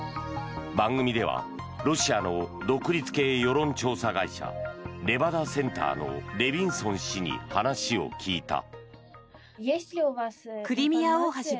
番組ではロシアの独立系世論調査会社レバダセンターのレビンソン氏に話を聞いた。